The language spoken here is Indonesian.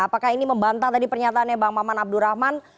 apakah ini membantah tadi pernyataannya bang maman abdurrahman